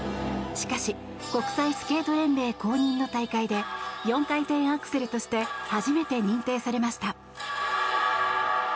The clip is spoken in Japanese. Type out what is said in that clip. しかし国際スケート連盟公認の大会で４回転アクセルとして初めて認定されました。